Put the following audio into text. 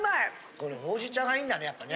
このほうじ茶がいいんだねやっぱね。